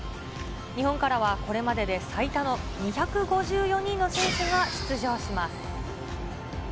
日本からはこれまでで最多の２５４人の選手が出場します。